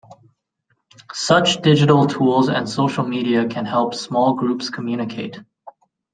Such digital tools and social media can help small groups communicate.